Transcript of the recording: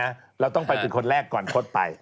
การเลี้ยงนะเราต้องไปเป็นคนแรกก่อนพจน์ไป